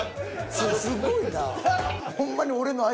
それすごいな。